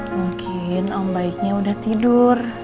mungkin om baiknya udah tidur